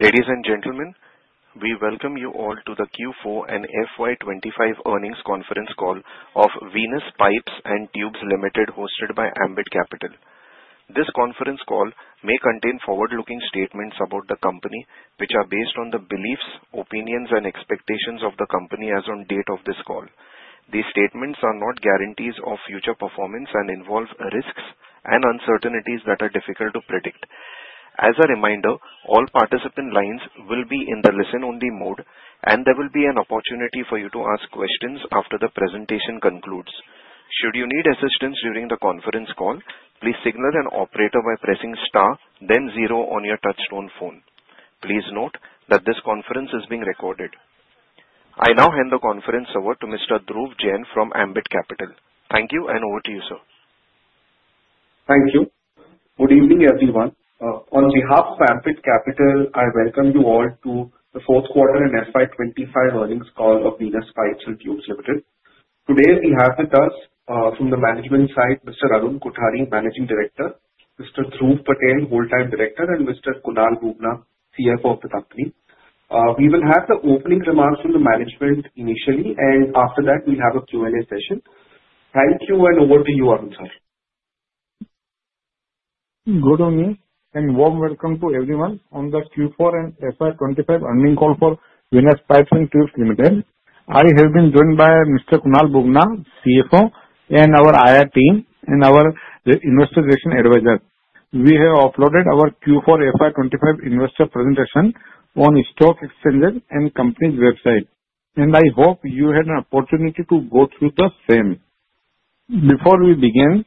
Ladies and gentlemen, we welcome you all to the Q4 and FY 2025 earnings conference call of Venus Pipes and Tubes Limited, hosted by Ambit Capital. This conference call may contain forward-looking statements about the company, which are based on the beliefs, opinions and expectations of the company as on date of this call. These statements are not guarantees of future performance and involve risks and uncertainties that are difficult to predict. As a reminder, all participant lines will be in the listen only mode and there will be an opportunity for you to ask questions after the presentation concludes. Should you need assistance during the conference call, please signal an operator by pressing star 0 on your touchtone phone. Please note that this conference is being recorded. I now hand the conference over to Mr. Dhruv Jain from Ambit Capital. Thank you. Over to you, sir. Thank you. Good evening, everyone. On behalf of Ambit Capital, I welcome you all to the fourth quarter and FY 2025 earnings call of Venus Pipes and Tubes Limited. Today we have with us, from the management side, Mr. Arun Kothari, Managing Director, Mr. Dhruv Patel, Whole-time Director and Mr. Kunal Bubna, CFO of the company. We will have the opening remarks from the management initially. After that, we will have a Q&A session. Thank you. Over to you, Arun sir. Good evening. Warm welcome to everyone on the Q4 and FY 2025 earnings call for Venus Pipes and Tubes Limited. I have been joined by Mr. Kunal Bubna, CFO, and our IR team and our investor relations advisor. We have uploaded our Q4 FY 2025 investor presentation on stock exchanges and company's website. I hope you had an opportunity to go through the same. Before we begin,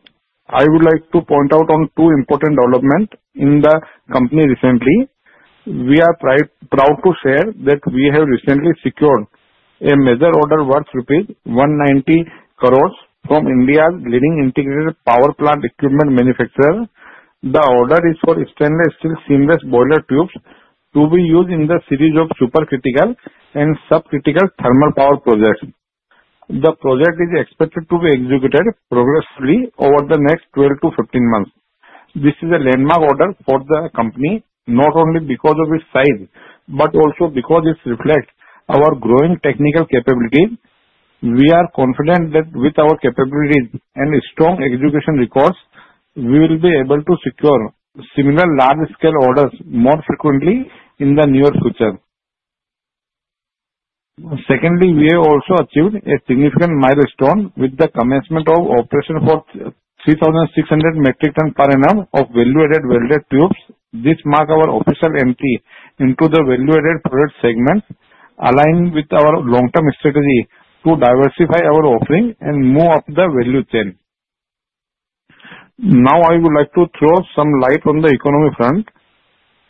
I would like to point out on two important developments in the company recently. We are proud to share that we have recently secured a major order worth rupees 190 crores from India's leading integrated power plant equipment manufacturer. The order is for stainless steel seamless boiler tubes to be used in the series of supercritical and subcritical thermal power projects. The project is expected to be executed progressively over the next 12 to 15 months. This is a landmark order for the company, not only because of its size, but also because it reflects our growing technical capabilities. We are confident that with our capabilities and strong execution records, we will be able to secure similar large-scale orders more frequently in the near future. Secondly, we have also achieved a significant milestone with the commencement of operation for 3,600 metric ton per annum of value-added welded tubes. This marks our official entry into the value-added product segment, aligned with our long-term strategy to diversify our offering and move up the value chain. Now I would like to throw some light on the economy front.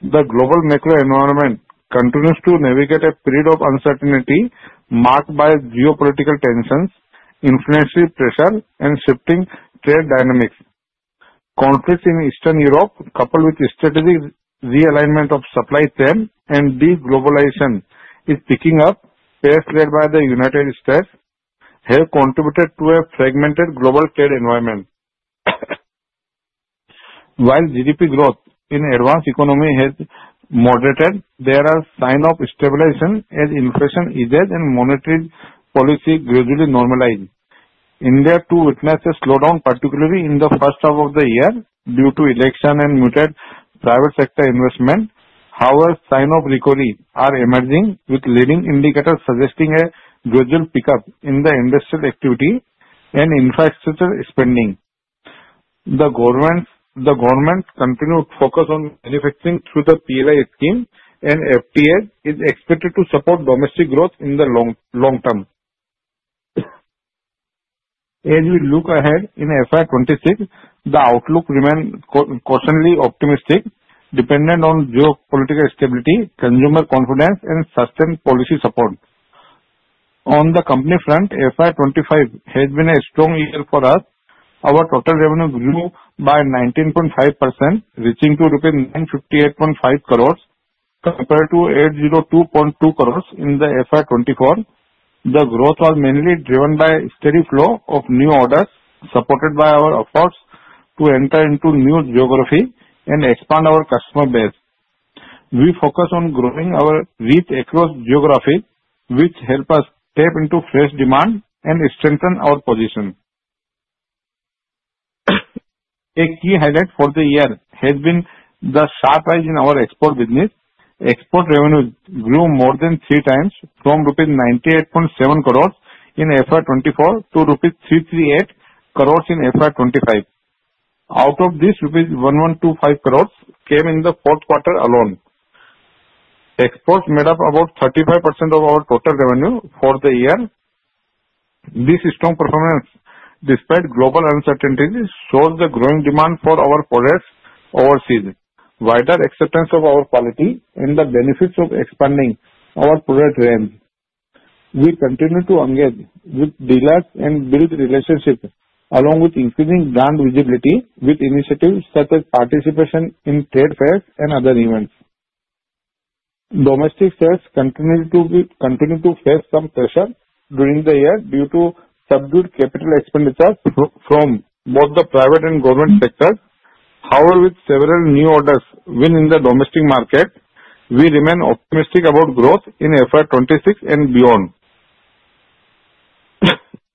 The global macro environment continues to navigate a period of uncertainty marked by geopolitical tensions, inflationary pressure, and shifting trade dynamics. Conflicts in Eastern Europe, coupled with strategic realignment of supply chain and de-globalization is picking up. Fair trade by the United States have contributed to a fragmented global trade environment. While GDP growth in advanced economy has moderated, there are signs of stabilization as inflation eases and monetary policy gradually normalizes. India too witnesses slowdown, particularly in the first half of the year due to election and muted private sector investment. However, signs of recovery are emerging, with leading indicators suggesting a gradual pickup in the industrial activity and infrastructure spending. The government's continued focus on manufacturing through the PLI scheme and FTAs is expected to support domestic growth in the long term. As we look ahead in FY 2025, the outlook remains cautiously optimistic, dependent on geopolitical stability, consumer confidence and sustained policy support. On the company front, FY 2025 has been a strong year for us. Our total revenues grew by 19.5%, reaching to rupees 958.5 crores compared to 802.2 crores in the FY 2024. The growth was mainly driven by steady flow of new orders, supported by our efforts to enter into new geographies and expand our customer base. We focus on growing our reach across geographies, which help us tap into fresh demand and strengthen our position. A key highlight for the year has been the sharp rise in our export business. Export revenues grew more than 3 times from rupees 98.7 crores in FY 2024 to rupees 338 crores in FY 2025. Out of this, rupees 125 crores came in the fourth quarter alone. Exports made up about 35% of our total revenue for the year. This strong performance, despite global uncertainties, shows the growing demand for our products overseas, wider acceptance of our quality and the benefits of expanding our product range. We continue to engage with dealers and build relationships along with increasing brand visibility with initiatives such as participation in trade fairs and other events. Domestic sales continued to face some pressure during the year due to subdued capital expenditure from both the private and government sectors. However, with several new orders win in the domestic market, we remain optimistic about growth in FY 2026 and beyond.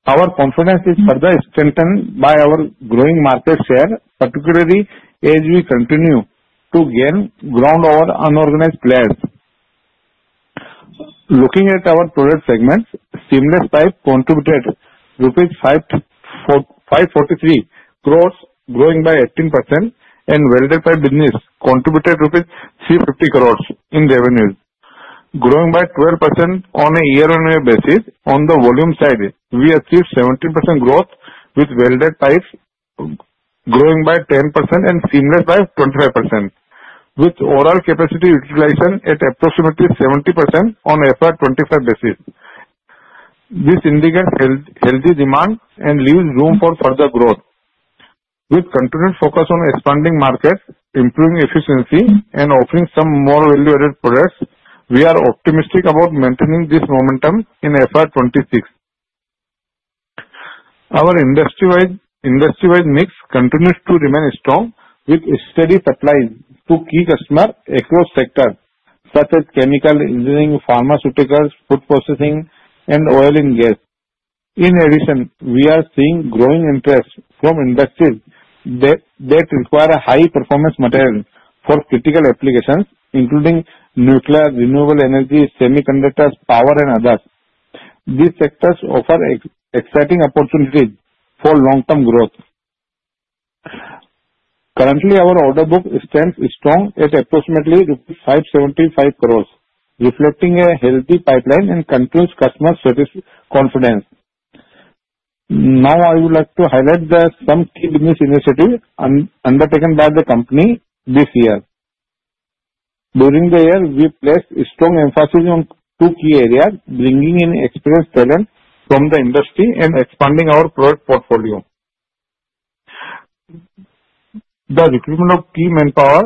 Our confidence is further strengthened by our growing market share, particularly as we continue to gain ground over unorganized players. Looking at our product segments, seamless pipe contributed INR 543 crores, growing by 18%, and welded pipe business contributed INR 350 crores in revenues, growing by 12% on a year-on-year basis. On the volume side, we achieved 17% growth, with welded pipes growing by 10% and seamless pipes 25%, with overall capacity utilization at approximately 70% on FY 2025 basis. This indicates healthy demand and leaves room for further growth. With continued focus on expanding markets, improving efficiency, and offering some more value-added products, we are optimistic about maintaining this momentum in FY 2026. Our industry-wide mix continues to remain strong with steady supplies to key customers across sectors such as chemical, engineering, pharmaceuticals, food processing, and oil and gas. In addition, we are seeing growing interest from industries that require high-performance material for critical applications, including nuclear, renewable energy, semiconductors, power, and others. These sectors offer exciting opportunities for long-term growth. Currently, our order book stands strong at approximately INR 575 crores, reflecting a healthy pipeline and continuous customer confidence. I would like to highlight some key business initiatives undertaken by the company this year. During the year, we placed a strong emphasis on two key areas, bringing in experienced talent from the industry and expanding our product portfolio. The recruitment of key manpower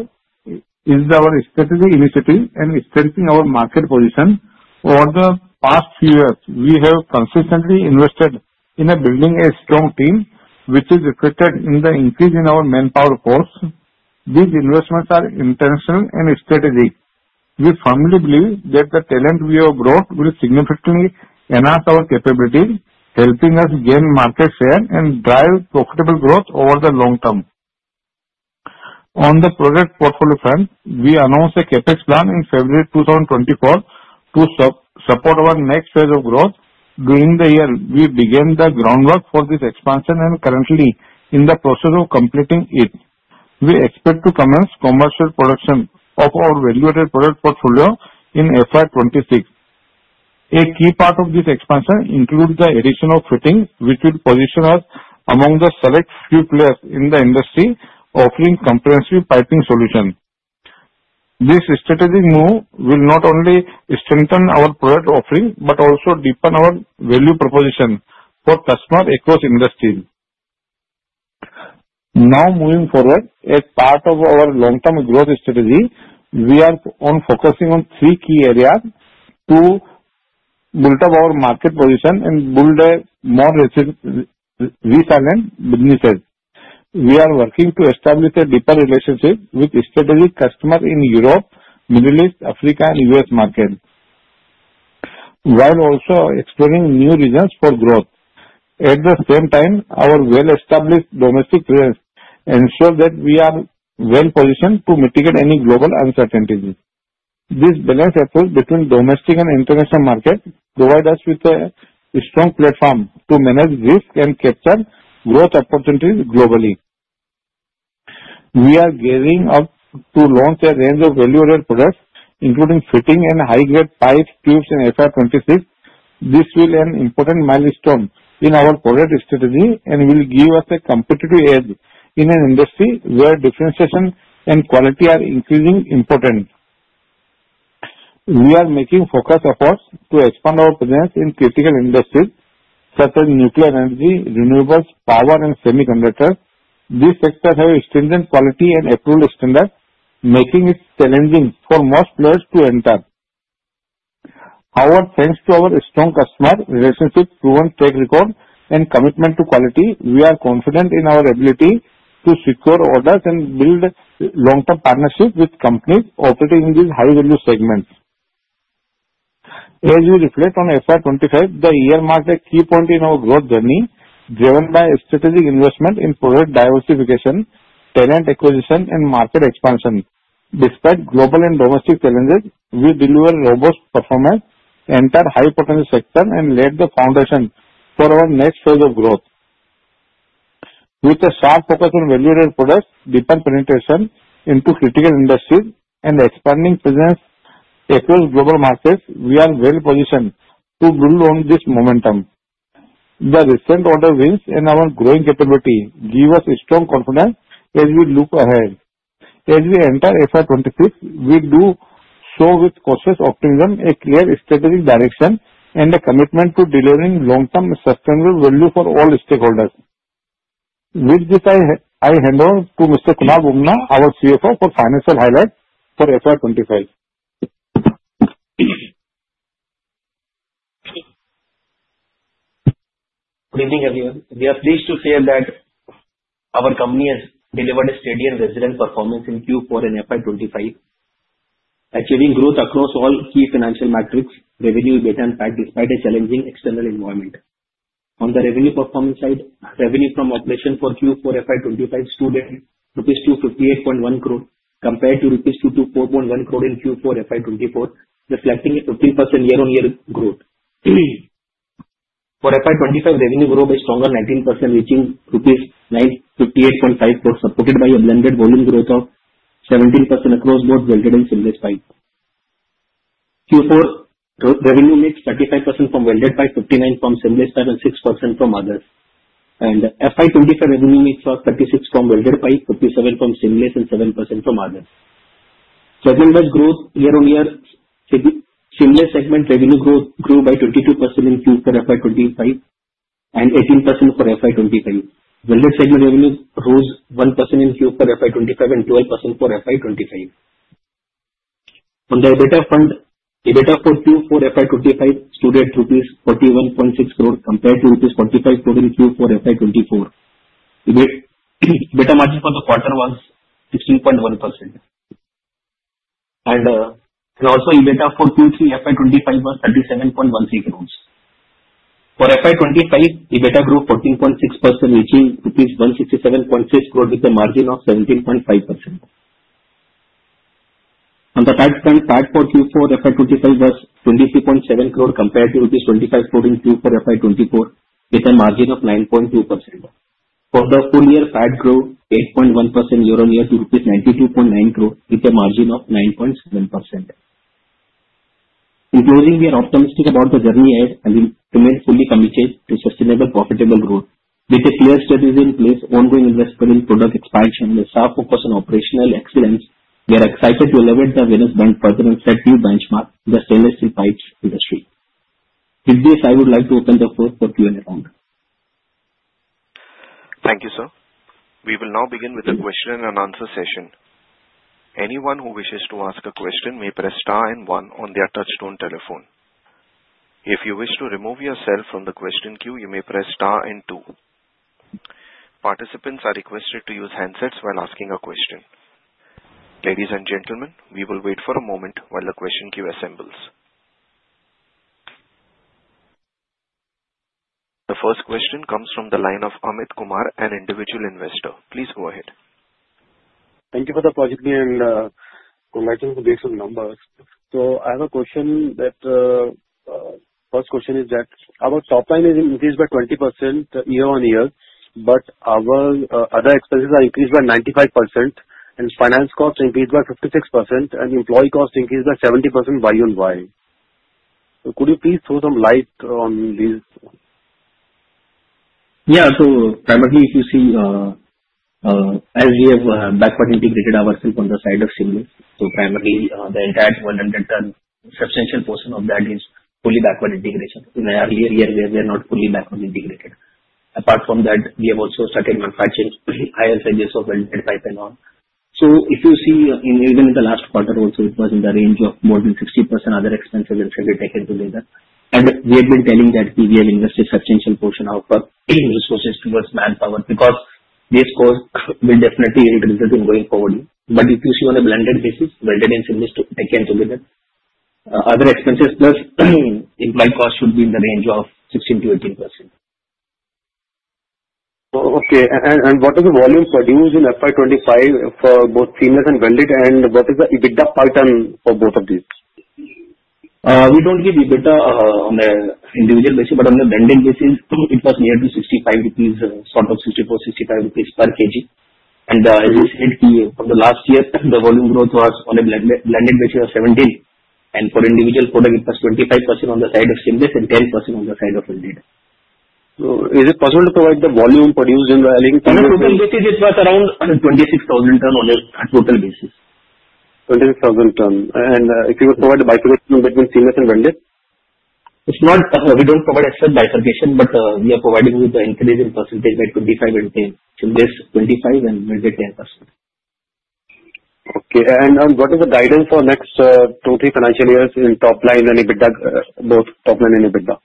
is our strategic initiative in strengthening our market position. Over the past few years, we have consistently invested in building a strong team, which is reflected in the increase in our manpower force. These investments are intentional and strategic. We firmly believe that the talent we have grown will significantly enhance our capabilities, helping us gain market share and drive profitable growth over the long term. On the product portfolio front, we announced a CapEx plan in February 2024 to support our next phase of growth. During the year, we began the groundwork for this expansion and currently are in the process of completing it. We expect to commence commercial production of our value-added product portfolio in FY 2026. A key part of this expansion includes the addition of fittings, which will position us among the select few players in the industry offering comprehensive piping solutions. This strategic move will not only strengthen our product offering, but also deepen our value proposition for customers across industries. Moving forward, as part of our long-term growth strategy, we are focusing on three key areas to build up our market position and build a more resilient business. We are working to establish deeper relationships with strategic customers in Europe, Middle East, Africa, and U.S. markets, while also exploring new regions for growth. At the same time, our well-established domestic presence ensures that we are well-positioned to mitigate any global uncertainties. This balanced approach between domestic and international markets provides us with a strong platform to manage risks and capture growth opportunities globally. We are gearing up to launch a range of value-added products, including fitting and high-grade pipes, tubes in FY 2026. This will be an important milestone in our product strategy and will give us a competitive edge in an industry where differentiation and quality are increasingly important. We are making focused efforts to expand our presence in critical industries such as nuclear energy, renewables, power, and semiconductors. These sectors have stringent quality and approval standards, making it challenging for most players to enter. Thanks to our strong customer relationships, proven track record, and commitment to quality, we are confident in our ability to secure orders and build long-term partnerships with companies operating in these high-value segments. We reflect on FY 2025, the year marked a key point in our growth journey, driven by strategic investment in product diversification, talent acquisition, and market expansion. Despite global and domestic challenges, we delivered robust performance, entered high-potential sectors, and laid the foundation for our next phase of growth. With a sharp focus on value-added products, deeper penetration into critical industries, and expanding presence across global markets, we are well positioned to build on this momentum. The recent order wins and our growing capability give us strong confidence as we look ahead. As we enter FY 2026, we do so with cautious optimism, a clear strategic direction, and a commitment to delivering long-term sustainable value for all stakeholders. With this, I hand over to Mr. Kunal Bubna, our CFO, for financial highlights for FY 2025. Good evening, everyone. We are pleased to share that our company has delivered a steady and resilient performance in Q4 and FY 2025. Achieving growth across all key financial metrics, revenue, EBITDA, and PAT despite a challenging external environment. On the revenue performance side, revenue from operation for Q4 FY 2025 stood at rupees 258.1 crore compared to rupees 24.1 crore in Q4 FY 2024, reflecting a 15% year-over-year growth. For FY 2025, revenue growth is stronger 19%, reaching rupees 958.5 crore, supported by a blended volume growth of 17% across both welded and seamless pipes. Q4 revenue mix 35% from welded pipe, 59% from seamless pipe, and 6% from others. FY 2025 revenue mix was 36% from welded pipe, 57% from seamless, and 7% from others. Segment-wise growth year-over-year, seamless segment revenue grew by 22% in Q4 FY 2025 and 18% for FY 2025. Welded segment revenue grows 1% in Q4 FY 2025 and 12% for FY 2025. On the EBITDA front, EBITDA for Q4 FY 2025 stood at INR 41.6 crore compared to INR 45 crore in Q4 FY 2024. EBITDA margin for the quarter was 16.1%. Also, EBITDA for Q3 FY 2025 was INR 37.16 crore. For FY 2025, EBITDA grew 14.6%, reaching INR 167.6 crore with a margin of 17.5%. On the PAT front, PAT for Q4 FY 2025 was 23.7 crore compared to 25 crore in Q4 FY 2024 with a margin of 9.2%. For the full year, PAT grew 8.1% year-over-year to INR 92.9 crore with a margin of 9.7%. In closing, we are optimistic about the journey ahead as we remain fully committed to sustainable, profitable growth. With a clear strategy in place, ongoing investment in product expansion, and a sharp focus on operational excellence, we are excited to elevate the Venus brand further and set new benchmarks in the stainless steel pipes industry. With this, I would like to open the floor for Q&A now. Thank you, sir. We will now begin with the question and answer session. Anyone who wishes to ask a question may press star and one on their touchtone telephone. If you wish to remove yourself from the question queue, you may press star and two. Participants are requested to use handsets when asking a question. Ladies and gentlemen, we will wait for a moment while the question queue assembles. The first question comes from the line of Amit Kumar, an Individual Investor. Please go ahead. Thank you for the positive and based on numbers. I have a question. Our top line has increased by 20% year-on-year, but our other expenses increased by 95%, finance costs increased by 56%, and employee costs increased by 70%. Why and why? Could you please throw some light on this? Yeah. Primarily, if you see, as we have backward integrated ourselves on the side of seamless, the entire volume that substantial portion of that is fully backward integrated. In the earlier year, we were not fully backward integrated. Apart from that, we have also started manufacturing higher gauges of welded pipe and all. If you see, even in the last quarter also, it was in the range of more than 16% other expenses if we take it together. We have been telling that we have invested substantial portion of our resources towards manpower because these costs will definitely reduce in going forward. If you see on a blended basis, welded and seamless taken together, other expenses plus employee cost should be in the range of 16%-18%. Okay. What are the volumes produced in FY 2025 for both seamless and welded and what is the EBITDA PAT on for both of these? We don't give EBITDA on an individual basis. On the blended basis, it was near to INR 65, sort of INR 64, 65 rupees per kg. As I said to you from the last year, the volume growth was on a blended basis of 17, for individual product it was 25% on the side of seamless and 10% on the side of welded. Is it possible to provide the volume produced in the- On a total basis, it was around 26,000 ton on a total basis. 26,000 ton. If you could provide a bifurcation between seamless and welded? We don't provide exact bifurcation, we are providing you with the increase in percentage that 25 and 10. Seamless 25 and welded 10%. Okay. What is the guidance for next two, three financial years in top line and EBITDA, both top line and EBITDA?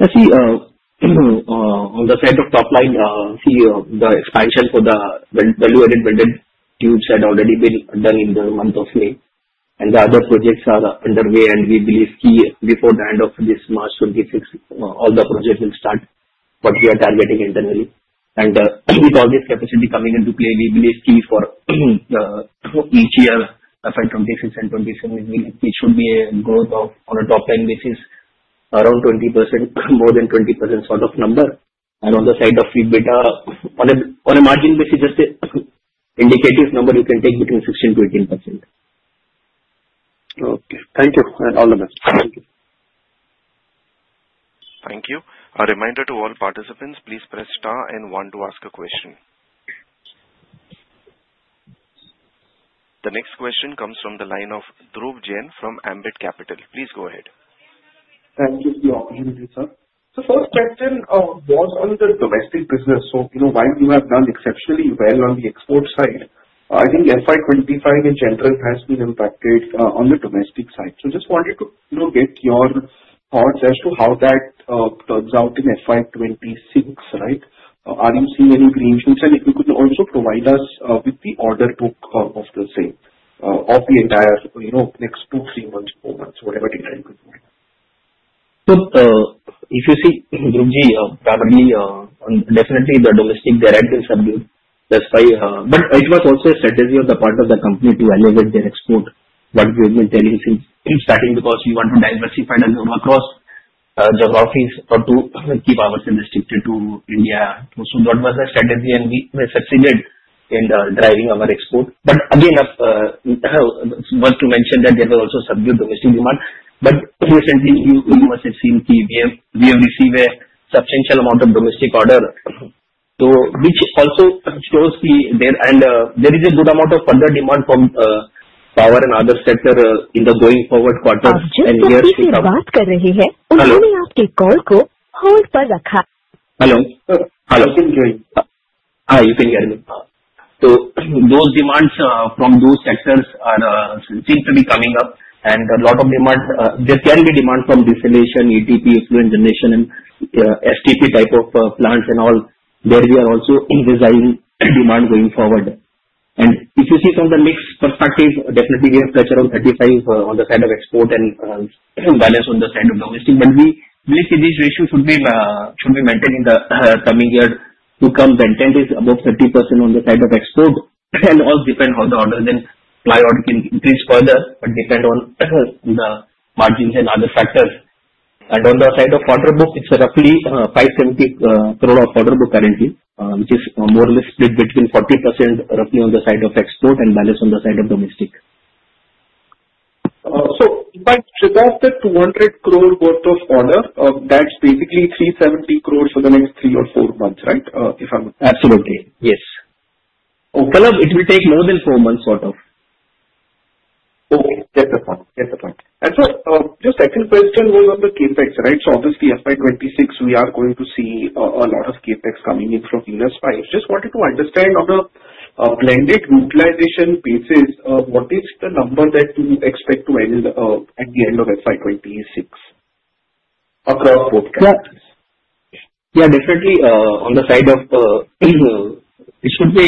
You see, on the side of top line, the expansion for the value-added welded tubes had already been done in the month of May, and the other projects are underway. We believe before the end of this March 2026, all the projects will start what we are targeting internally. With all this capacity coming into play, we believe for each year FY 2026 and 2027 it should be a growth of on a top-line basis around 20%, more than 20% sort of number. On the side of EBITDA, on a margin basis, just indicative number you can take between 16%-18%. Okay. Thank you and all the best. Thank you. Thank you. A reminder to all participants, please press star and one to ask a question. The next question comes from the line of Dhruv Jain from Ambit Capital. Please go ahead. Thank you for the opportunity, sir. First question was on the domestic business. While you have done exceptionally well on the export side, I think FY 2025 in general has been impacted on the domestic side. Just wanted to get your thoughts as to how that turns out in FY 2026, right? Are you seeing any green signals? If you could also provide us with the order book of the same of the entire next two, three, four months, whatever time you could provide. If you see, probably, definitely the domestic demand will subdue. It was also a strategy on the part of the company to elevate their export. That gradual tariff is starting because we want to diversify and move across geographies or to keep ourselves restricted to India. That was the strategy, and we have succeeded in driving our export. Again, I want to mention that there was also subdued domestic demand. Recently, you must have seen we have received a substantial amount of domestic order, which also shows there is a good amount of further demand from power and other sector in the going forward quarters. The person you are talking to has placed your call on hold. Hello? Sir. Hello. I can hear you. You can hear me? Those demands from those sectors seem to be coming up, there can be demand from desalination, ETP, effluent generation, and STP type of plants and all. There we are also envisaging demand going forward. If you see from the mix perspective, definitely we have pressure of 35% on the side of export and balance on the side of domestic. We see this ratio should be maintained in the coming years to come. The intent is above 30% on the side of export, all depend how the orders and supply order can increase further, but depend on the margins and other factors. On the side of order book, it's roughly 570 crore of order book currently, which is more or less split between 40% roughly on the side of export and balance on the side of domestic. Of the 200 crore worth of order, that's basically 370 crores for the next 3 or 4 months, right? Absolutely, yes. It will take more than 4 months sort of. Okay, get the point. Just second question was on the CapEx, right? Obviously FY 2026, we are going to see a lot of CapEx coming in from Venus Pipes. Just wanted to understand on a blended utilization basis, what is the number that you expect to end at the end of FY 2026 across both categories? Yeah, definitely. On the side of It should be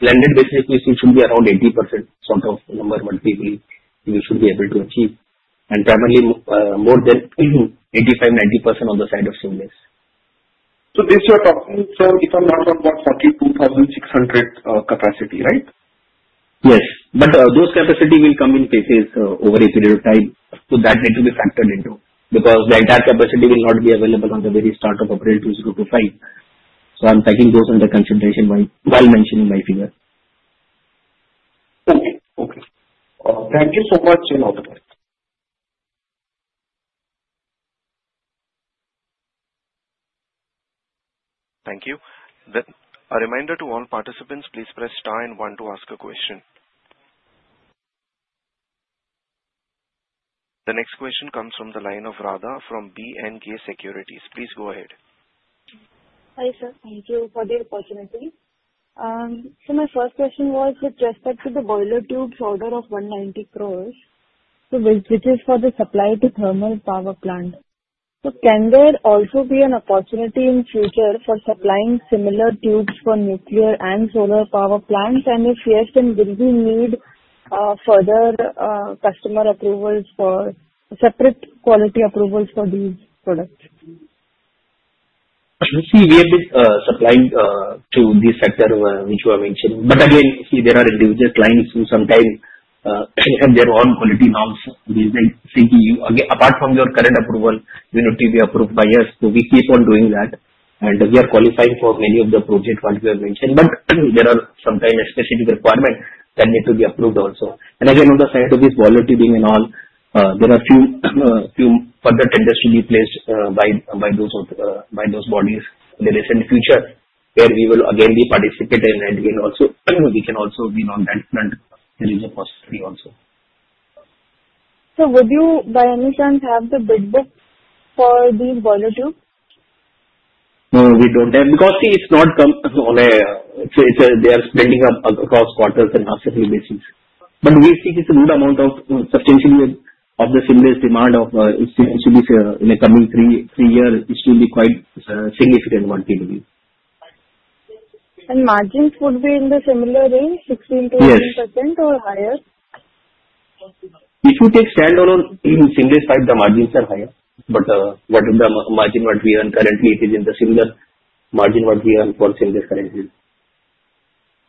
blended basis, which should be around 80% sort of number, one thing we should be able to achieve. Probably more than 85%-90% on the side of seamless. This you're talking, sir, is on top of that 42,600 capacity, right? Yes. Those capacity will come in phases over a period of time. That need to be factored into, because the entire capacity will not be available on the very start of April 2025. I'm taking those into consideration while mentioning my figure. Okay. Thank you so much and over. Thank you. A reminder to all participants, please press star and one to ask a question. The next question comes from the line of Radha from BNK Securities. Please go ahead. Hi, sir. Thank you for the opportunity. My first question was with respect to the boiler tubes order of 190 crores. Which is for the supply to thermal power plant. Can there also be an opportunity in future for supplying similar tubes for nuclear and solar power plants? If yes, will we need further customer approvals for separate quality approvals for these products? You see, we have been supplying to this sector which you have mentioned. Again, see, there are individual clients who sometime have their own quality norms. They'll be saying to you, "Apart from your current approval, you need to be approved by us." We keep on doing that, and we are qualifying for many of the projects what you have mentioned. There are some kind of specific requirements that need to be approved also. Again, on the side of this boiler tubing and all, there are few further tenders to be placed by those bodies in the recent future where we will again be participating and we can also be on that front. There is a possibility also. Would you by any chance have the bid book for these boiler tubes? They are spreading across quarters and half yearly basis. We see it's a good amount of substantial of the seamless demand. In the coming 3 years, it should be quite significant, one thing to be. Margins would be in the similar range, 16%-18% or higher? If you take stand-alone in seamless pipe, the margins are higher. What is the margin what we earn currently, it is in the similar margin what we earn for seamless currently.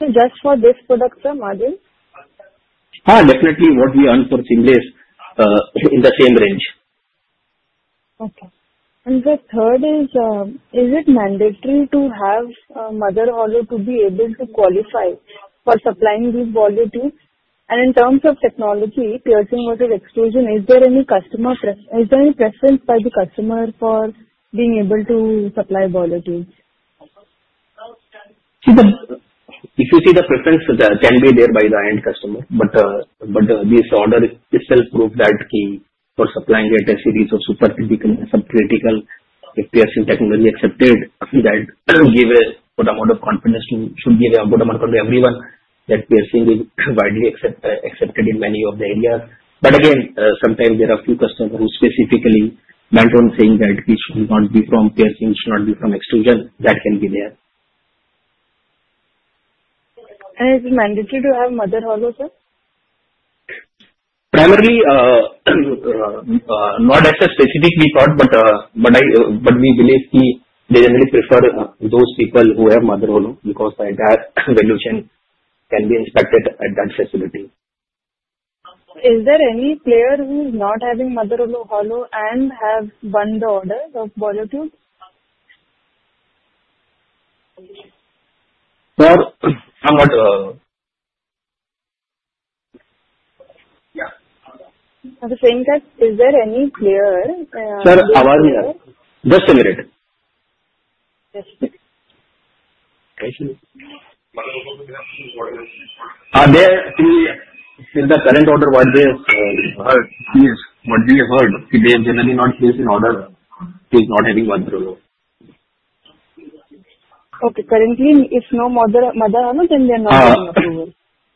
Just for this product, sir, margin? Yes, definitely what we earn for seamless, in the same range. Okay. The third is it mandatory to have a mother hollow to be able to qualify for supplying these boiler tubes? In terms of technology, piercing, welding, extrusion, is there any preference by the customer for being able to supply boiler tubes? If you see, the preference can be there by the end customer, but this order itself proves that for supplying the T-series or supercritical and subcritical If piercing technically accepted, that will give a good amount of confidence. Should give a good amount of confidence to everyone that piercing is widely accepted in many of the areas. Again, sometimes there are few customers who specifically might want, saying that it should not be from piercing, it should not be from extrusion. That can be there. Is it mandatory to have mother hollow, sir? Primarily, not as specifically thought, but we believe they generally prefer those people who have mother hollow because the entire revolution can be inspected at that facility. Is there any player who is not having mother hollow and have won the orders of boil-in-tube? Sir, I'm not. I was saying that is there any player. Sir, your voice is breaking. Just a minute. Yes. With the current order what we have heard, they have generally not placed an order who is not having mother hollow. Okay. Currently, if no mother hollow, then they are not. Yeah. -approved.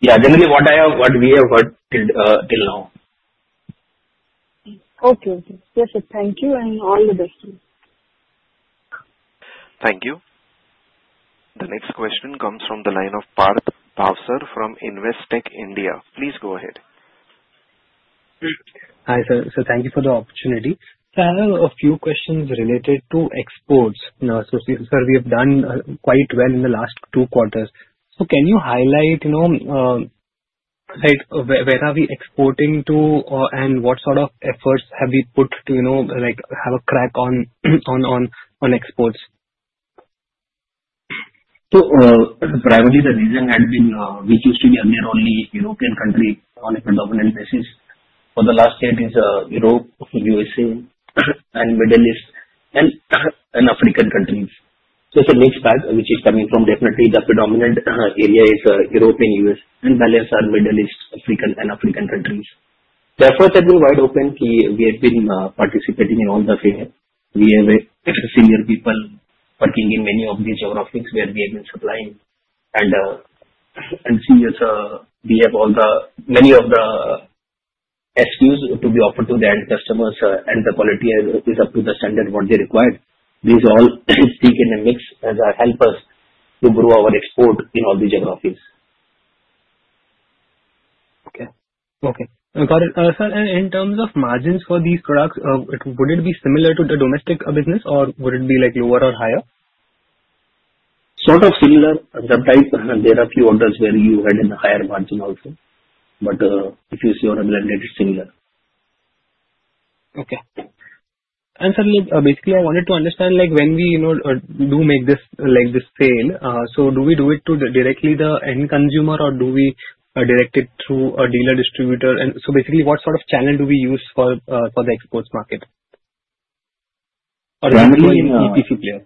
Yeah. Generally, what we have heard till now. Okay. Yes, sir. Thank you and all the best to you. Thank you. The next question comes from the line of Parth Bhavsar from Investec India. Please go ahead. Hi, sir. Sir, thank you for the opportunity. Sir, I have a few questions related to exports. Sir, we have done quite well in the last two quarters. Can you highlight where are we exporting to and what sort of efforts have we put to have a crack on exports? Primarily the reason had been, we used to be earlier only European country on a predominant basis. For the last 10 years, Europe, USA and Middle East and African countries. It's a mixed bag which is coming from definitely the predominant area is European, U.S., and balance are Middle East, African, and African countries. The efforts have been wide open. We have been participating in all the fairs. We have senior people working in many of these geographies where we have been supplying. Seriously, we have many of the SKUs to be offered to the end customers, and the quality is up to the standard what they required. These all taken in mix help us to grow our export in all the geographies. Okay. Sir, in terms of margins for these products, would it be similar to the domestic business or would it be lower or higher? Sort of similar. Sometimes there are few orders where you had a higher margin also. If you see on an aggregate, it's similar. Okay. Sir, basically, I wanted to understand when we do make this sale, do we do it to directly the end consumer or do we direct it through a dealer distributor? Basically what sort of channel do we use for the exports market? Primarily- Is it only EPC player?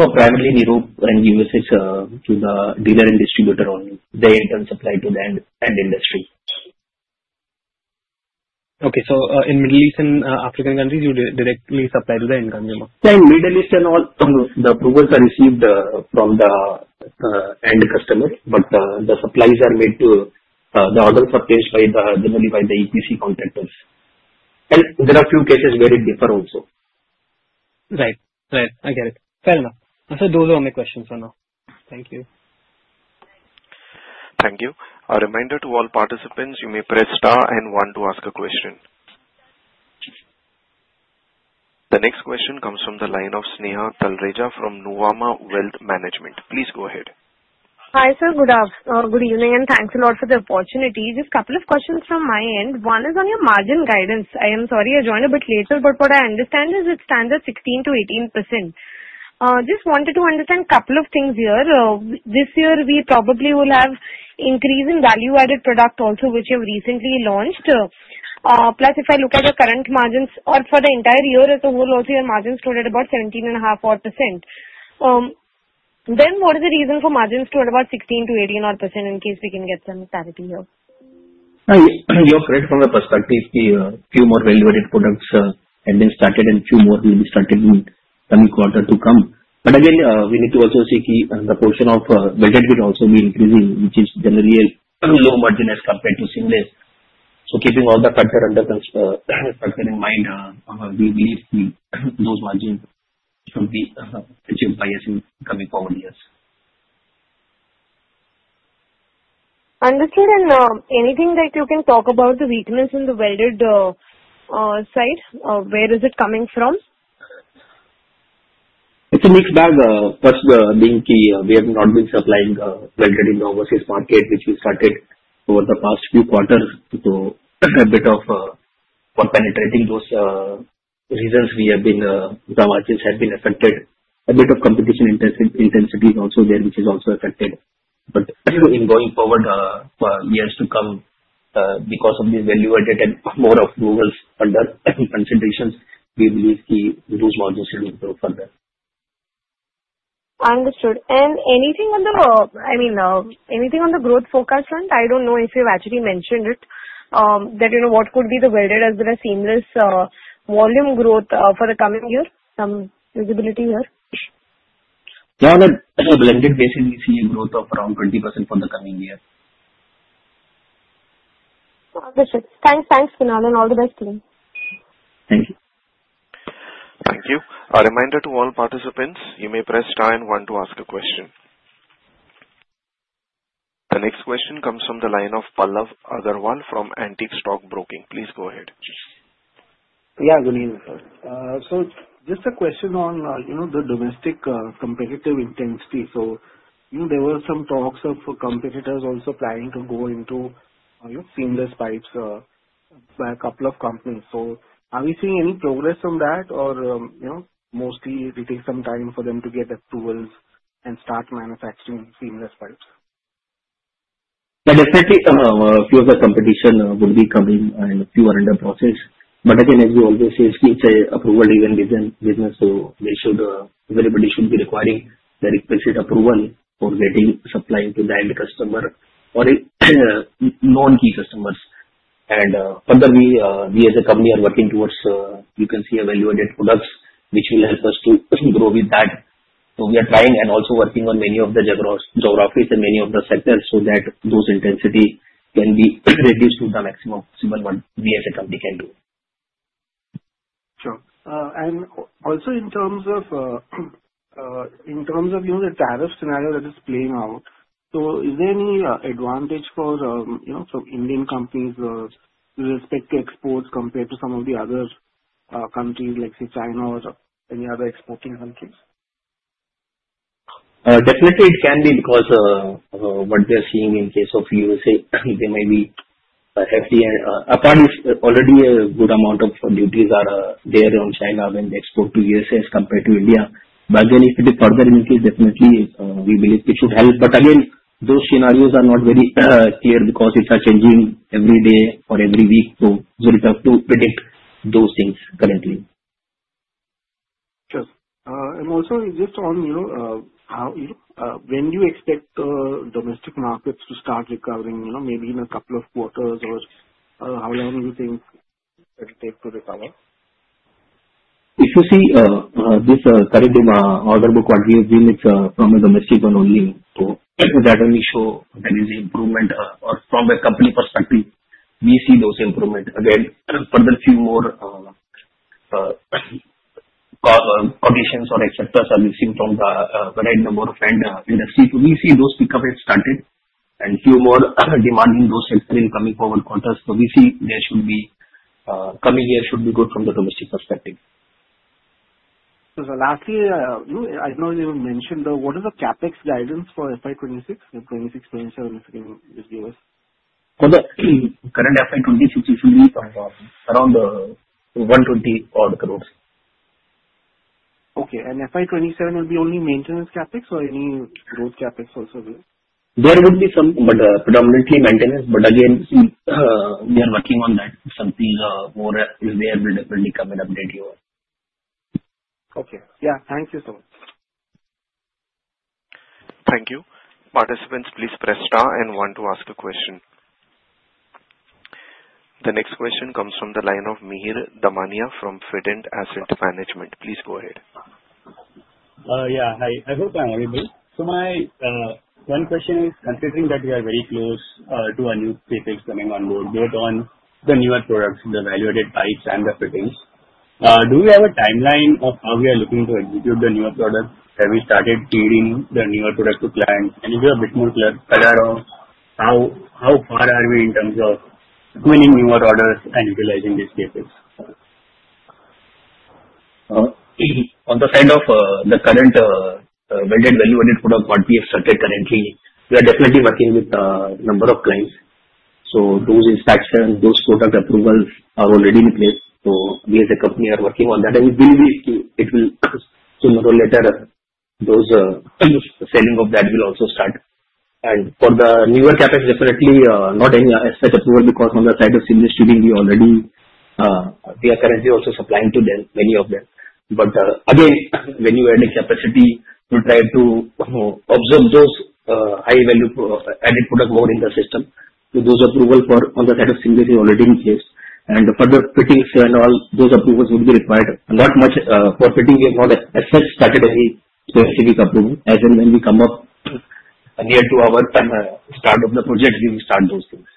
No, primarily in Europe and U.S. it's through the dealer and distributor only. They in turn supply to the end industry. Okay. In Middle East and African countries, you directly supply to the end consumer. In Middle East and all, the approvals are received from the end customer, but the supplies are made to, the orders are placed generally by the EPC contractors. There are a few cases where it differs also. Right. I get it. Fair enough. Sir, those are all my questions for now. Thank you. Thank you. A reminder to all participants, you may press star and one to ask a question. The next question comes from the line of Sneha Talreja from Nuvama Wealth Management. Please go ahead. Hi, sir. Good evening. Thanks a lot for the opportunity. Just couple of questions from my end. One is on your margin guidance. I am sorry I joined a bit later, but what I understand is it stands at 16%-18%. Just wanted to understand couple of things here. This year we probably will have increase in value-added product also which you've recently launched. Plus if I look at the current margins or for the entire year as a whole, also your margins stood at about 17.5% odd. What is the reason for margins to stand about 16%-18% odd, in case we can get some clarity here? You are correct from the perspective, few more value-added products have been started. Few more will be started in coming quarter to come. Again, we need to also see the portion of welded will also be increasing, which is generally a low margin as compared to seamless. Keeping all the patterns in mind, we believe those margins should be much unbiased in coming forward years. Understood. Anything that you can talk about the weakness in the welded side? Where is it coming from? It's a mixed bag. First being we have not been supplying welded in overseas market, which we started over the past few quarters. A bit of penetrating those regions, our margins have been affected. A bit of competition intensity is also there, which has also affected. In going forward years to come, because of the value-added and more approvals under considerations, we believe the reduced margins should improve further. Understood. Anything on the growth forecast front? I don't know if you've actually mentioned it, what could be the welded as well as seamless volume growth for the coming year? Some visibility there? On a blended basis, we see a growth of around 20% for the coming year. Understood. Thanks, Kunal. All the best to you. Thank you. Thank you. A reminder to all participants, you may press star and one to ask a question. The next question comes from the line of Pallav Agarwal from Antique Stock Broking. Please go ahead. Yeah, good evening, sir. Just a question on the domestic competitive intensity. There were some talks of competitors also planning to go into seamless pipes by a couple of companies. Are we seeing any progress on that or mostly it will take some time for them to get approvals and start manufacturing seamless pipes? Yeah, definitely some few of the competition will be coming and a few are under process. Again, as we always say, it's an approval-driven business, so everybody should be requiring the requisite approval for getting supply to the end customer or non-key customers. Further, we as a company are working towards value-added products, which will help us to grow with that. We are trying and also working on many of the geographies and many of the sectors so that those intensity can be reduced to the maximum possible one we as a company can do. Sure. Also in terms of the tariff scenario that is playing out, is there any advantage for Indian companies with respect to exports compared to some of the other countries like, say, China or any other exporting countries? Definitely it can be because of what we are seeing in case of U.S.A., they may be hefty and apparently already a good amount of duties are there on China when they export to U.S.A. as compared to India. Again, if it is further increased, definitely we believe it should help. Again, those scenarios are not very clear because it is changing every day or every week, it's difficult to predict those things currently. Sure. Also just on when do you expect domestic markets to start recovering, maybe in a couple of quarters or how long do you think it'll take to recover? If you see this current order book what we have seen it's from the domestic one only. That only show there is improvement or from a company perspective, we see those improvement. Further few more coalitions or acceptance are missing from the wide number of end industry. We see those recovery started and few more demanding those acceptance coming forward quarters. We see coming year should be good from the domestic perspective. lastly, I know you have mentioned though, what is the CapEx guidance for FY 2026? 2026, 2027, if you can just give us. For the current FY 2026, it will be around INR 120 odd crores. Okay. FY 2027 will be only maintenance CapEx or any growth CapEx also there? There would be some, but predominantly maintenance. again, we are working on that. Something more there will definitely come and update you on. Okay. Yeah. Thank you so much. Thank you. Participants, please press star and one to ask a question. The next question comes from the line of Mihir Damania from Fidant Asset Management. Please go ahead. Yeah. Hi. I hope you are hearing me. My one question is considering that we are very close to a new CapEx coming on board both on the newer products, the value-added pipes and the fittings. Do we have a timeline of how we are looking to execute the newer products? Have we started seeding the newer products to clients? If you have a bit more color on how far are we in terms of winning newer orders and utilizing these CapEx? On the side of the current welded value-added product, what we have started currently, we are definitely working with a number of clients. Those inspections, those product approvals are already in place. We as a company are working on that, and we believe it will sooner or later, those selling of that will also start. For the newer CapEx, definitely not any as such approval because on the side of seamless tubing, we are currently also supplying to many of them. Again, when you add a capacity to try to absorb those high-value added product more in the system. Those approval for on the side of seamless is already in place and further fittings and all those approvals will be required. Not much for fitting, we have not as such started any activity company as and when we come up near to our time to start of the project, we will start those things.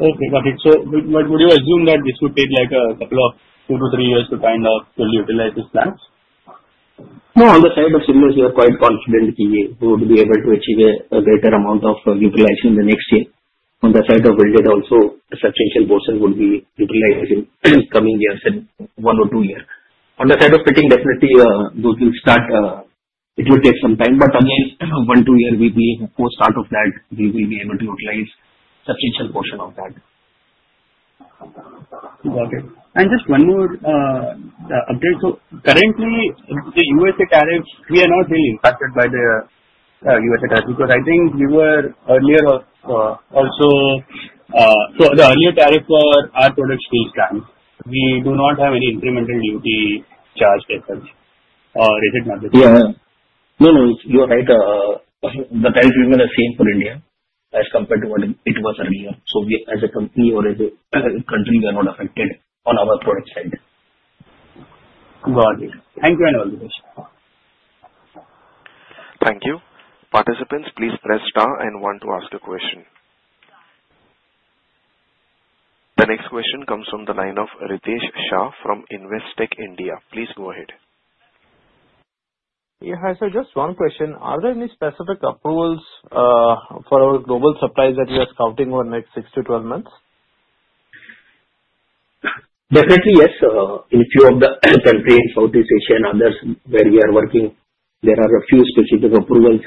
Okay, got it. Would you assume that this would take a couple of two to three years to fully utilize these plants? No, on the side of seamless we are quite confident we would be able to achieve a greater amount of utilization in the next year. On the side of welded also, a substantial portion would be utilized in coming years, in one or two year. On the side of fitting, definitely those will start. It will take some time, but again, one, two year we will post start of that, we will be able to utilize substantial portion of that. Got it. Just one more update. Currently the USA tariffs, we are not really impacted by the USA tariff, because I think you were earlier also. The earlier tariff for our products still stands. We do not have any incremental duty charged as such. Yeah. No, you are right. The tariff remains the same for India as compared to what it was earlier. As a company or as a country, we are not affected on our product side. Got it. Thank you and all the best. Thank you. Participants, please press star and one to ask a question. The next question comes from the line of Ritesh Shah from Investec India. Please go ahead. Yeah. Hi, sir. Just one question. Are there any specific approvals for our global suppliers that you are counting on next six to 12 months? Definitely, yes. In few of the countries, Southeast Asia and others where we are working, there are a few specific approvals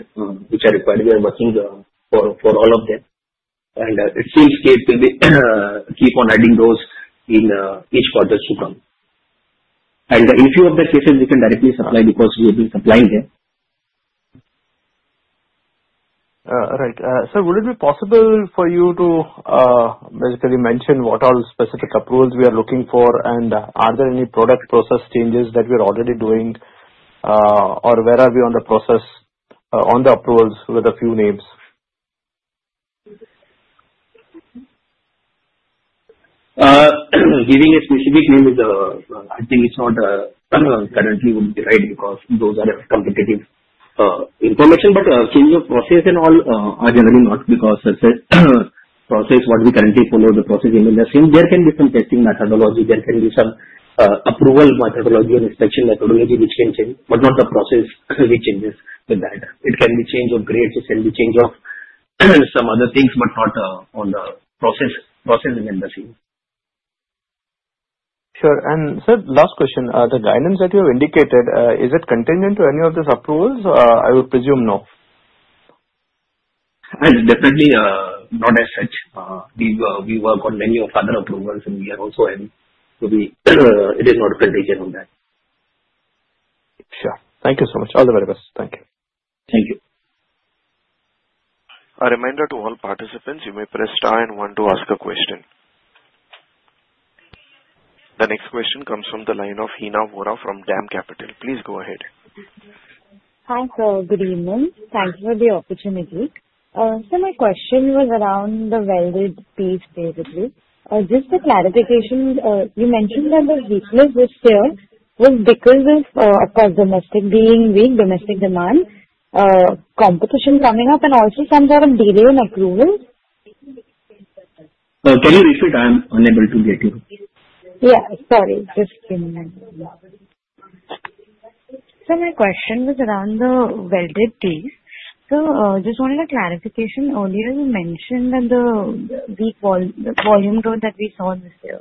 which are required. We are working for all of them, at each case, we will keep on adding those in each quarters to come. In few of the cases, we can directly supply because we have been supplying there. Right. Sir, would it be possible for you to basically mention what are the specific approvals we are looking for? Are there any product process changes that we're already doing? Where are we on the process on the approvals with a few names? Giving a specific name is, I think it's not currently would be right because those are competitive information. Change of process and all are generally not because process what we currently follow, the process in industry. There can be some testing methodology, there can be some approval methodology and inspection methodology which can change, but not the process which changes with that. It can be change of grades, it can be change of some other things, but not on the processing industry. Sure. Sir, last question. The guidance that you have indicated, is it contingent to any of these approvals? I would presume no. Definitely not as such. We work on many of other approvals. We are also aiming to be It is not contingent on that. Sure. Thank you so much. All the very best. Thank you. Thank you. A reminder to all participants, you may press star and one to ask a question. The next question comes from the line of Heena Mora from DAM Capital. Please go ahead. Hi, sir. Good evening. Thanks for the opportunity. Sir, my question was around the welded piece basically. Just a clarification. You mentioned that the weakness this year was because of domestic being weak, domestic demand, competition coming up, and also some sort of delay in approval. Can you repeat? I am unable to get you. Yeah, sorry. Sir, my question was around the welded piece. Just wanted a clarification. Earlier you mentioned that the weak volume growth that we saw this year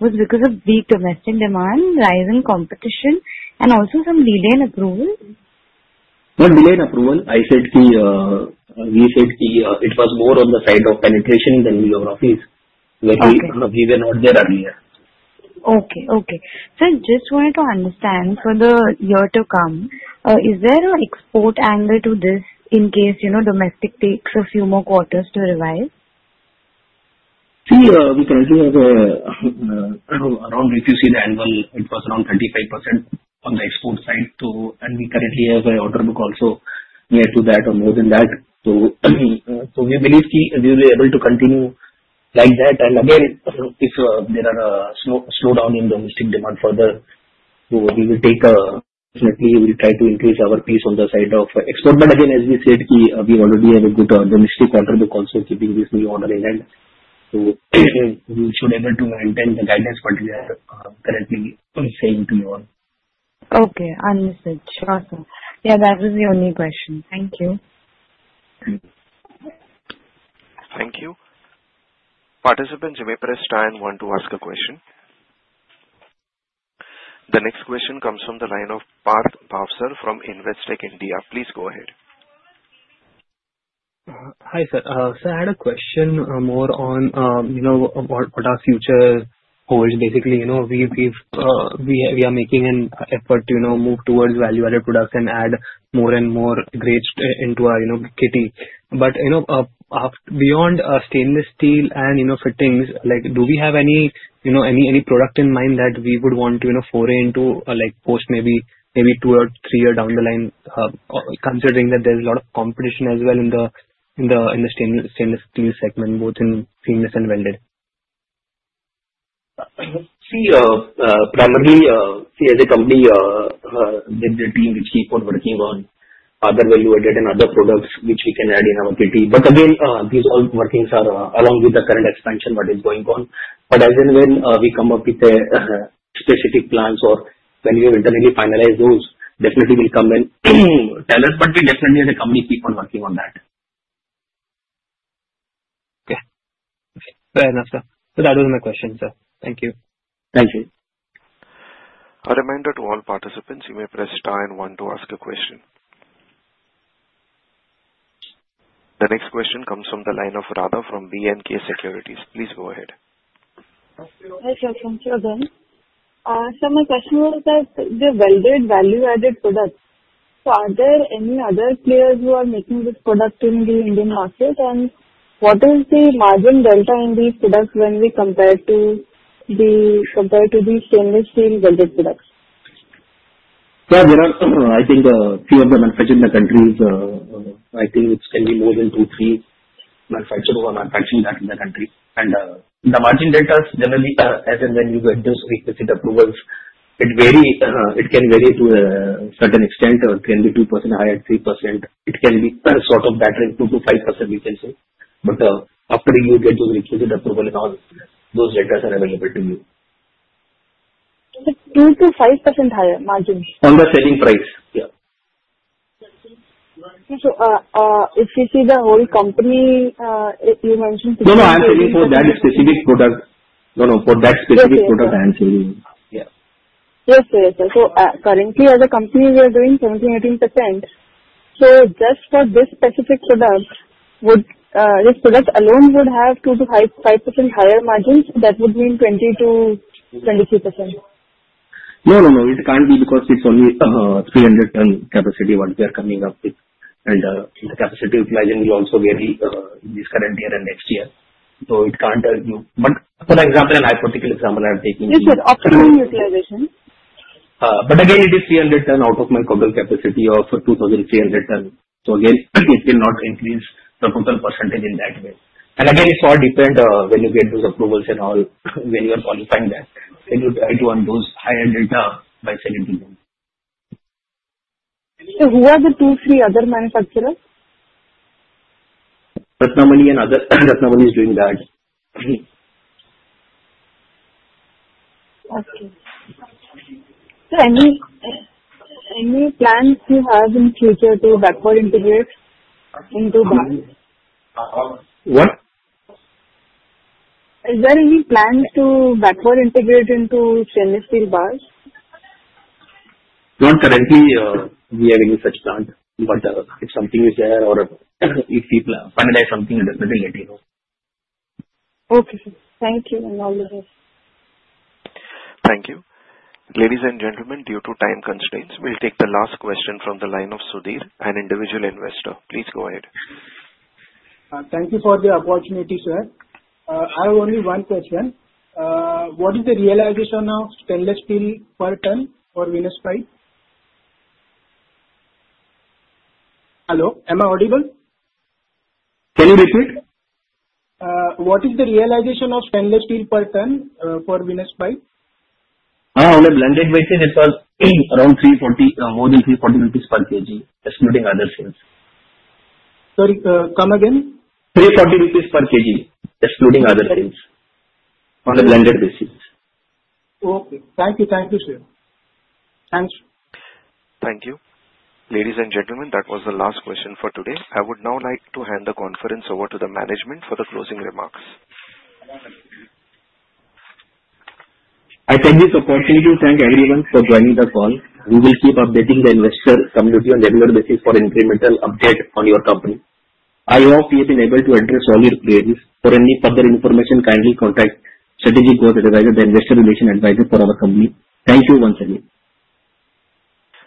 was because of weak domestic demand, rising competition, and also some delayed approval. What delayed approval? We said it was more on the side of penetration than geographies where- Okay. We were not there earlier. Okay. Sir, just wanted to understand for the year to come, is there an export angle to this in case domestic takes a few more quarters to revise? See, we currently have around, if you see the annual, it was around 35% on the export side. We currently have an order book also near to that or more than that. We believe we will be able to continue like that. Again, if there are slowdown in domestic demand further, Definitely, we'll try to increase our piece on the side of export. Again, as we said, we already have a good domestic order book also keeping this new order in hand. We should able to maintain the guidance what we are currently saying to you all. Okay, understood. Sure. Yeah, that was the only question. Thank you. Thank you. Participants, you may press star and one to ask a question. The next question comes from the line of Parth Bhavsar from Investec India. Please go ahead. Hi, sir. Sir, I had a question more on what our future holds basically. We are making an effort to move towards value-added products and add more and more grades into our kitty. Beyond stainless steel and fittings, do we have any product in mind that we would want to foray into post maybe two or three years down the line, considering that there's a lot of competition as well in the stainless steel segment, both in seamless and welded? See, primarily, as a company, the team which keep on working on other value-added and other products which we can add in our kitty. Again, these all workings are along with the current expansion what is going on. As and when we come up with specific plans or when we have internally finalized those, definitely we'll come and tell. We definitely as a company keep on working on that. Okay. Fair enough, sir. That was my question, sir. Thank you. Thank you. A reminder to all participants, you may press star and one to ask a question. The next question comes from the line of Radha from BNK Securities. Please go ahead. Hi, sir. Thank you, Adan. My question was that the welded value-added products. Are there any other players who are making this product in the Indian market? What is the margin delta in these products when we compare to the stainless steel welded products? Yeah, there are I think a few of the manufacturers in the country. I think it can be more than two, three manufacturers who are manufacturing that in the country. The margin deltas generally are, as and when you get those requisite approvals. It can vary to a certain extent, or it can be 2% higher, 3%. It can be sort of that range, 2%-5%, we can say. After you get the requisite approval and all, those deltas are available to you. 2%-5% higher margins. On the selling price, yeah. If you see the whole company, you mentioned. No, no, I'm saying for that specific product. No, no, for that specific product I'm saying. Okay. Yeah. Yes, sir. Currently as a company, we are doing 17%, 18%. Just for this specific product, this product alone would have 2% to 5% higher margins. That would mean 20%-22%. No, no. It can't be because it's only 300 ton capacity what we are coming up with, and the capacity utilization will also be very in this current year and next year. It can't give you. For example, a hypothetical example I'm taking. Yes, sir. Optimal utilization. Again, it is 300 ton out of my total capacity of 2,300 ton. Again, it will not increase the total percentage in that way. Again, it's all different when you get those approvals and all, when you are qualifying that, then you try to earn those higher delta by selling to them. Who are the two, three other manufacturers? Ratnamani is doing that. Okay. Any plans you have in future to backward integrate into bars? What? Is there any plan to backward integrate into stainless steel bars? Not currently we have any such plans. If something is there or if we finalize something, we'll let you know. Okay, sir. Thank you, all the best. Thank you. Ladies and gentlemen, due to time constraints, we'll take the last question from the line of Sudhir, an individual investor. Please go ahead. Thank you for the opportunity, sir. I have only one question. What is the realization of stainless steel per ton for Venus Pipe? Hello, am I audible? Can you repeat? What is the realization of stainless steel per ton for Venus Pipe? On a blended basis, it was around more than 340 rupees per kg, excluding other sales. Sorry, come again. 340 rupees per kg, excluding other sales, on a blended basis. Okay. Thank you, sir. Thanks. Thank you. Ladies and gentlemen, that was the last question for today. I would now like to hand the conference over to the management for the closing remarks. I take this opportunity to thank everyone for joining the call. We will keep updating the investor community on a regular basis for incremental update on your company. I hope we have been able to address all your queries. For any further information, kindly contact Strategic Growth Advisors, the investor relation advisors for our company. Thank you once again.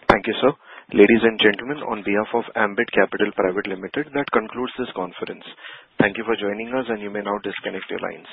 Thank you, sir. Ladies and gentlemen, on behalf of Ambit Capital Private Limited, that concludes this conference. Thank you for joining us, and you may now disconnect your lines.